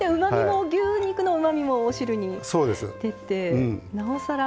牛肉のうまみもお汁に出てなおさら。